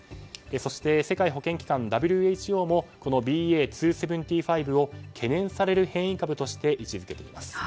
そして世界保健機関・ＷＨＯもこのＢＡ．２．７５を懸念される変異株として位置付けています。